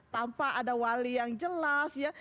tanpa ada wali yang jelas ya